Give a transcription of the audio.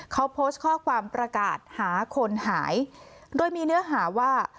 เขาโพสต์ข้อความประกาศหาคนหายโดยมีเนื้อหาว่า